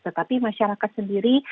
tetapi masyarakat sendiri